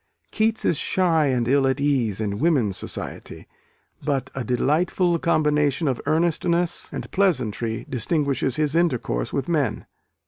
Keats is shy and ill at ease in women's society: but a "delightful combination of earnestness and pleasantry distinguishes his intercourse with men."